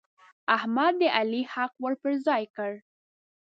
احمد د علي حق ور پر ځای کړ.